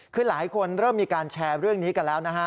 คือหลายคนเริ่มมีการแชร์เรื่องนี้กันแล้วนะฮะ